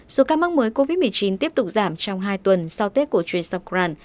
số ca mắc mới covid một mươi chín tiếp tục giảm trong hai tuần sau tết của chuyên sokran